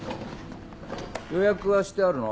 予約はしてあるの？